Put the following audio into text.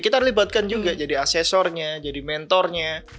kita libatkan juga jadi asesornya jadi mentornya